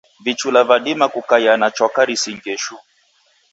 Vichula vadima kukaia na chwaka risingie shuu.